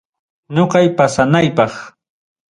Ñoqay pasanaypaq.